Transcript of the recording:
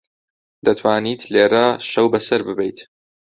دەتوانیت لێرە شەو بەسەر ببەیت.